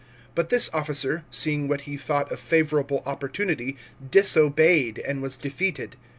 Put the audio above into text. But this officer seeing what he thought a favourable opportunity, disobeyed and was defeated.